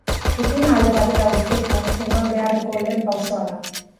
Ituna alde batera uzteko eman beharreko lehen pausoa da.